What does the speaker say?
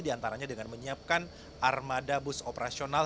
diantaranya dengan menyiapkan armada bus operasional